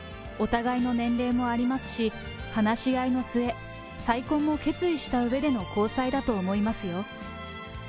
お互いの年齢もありますし、話し合いの末、再婚も決意したうえでの交際だと思いますよ。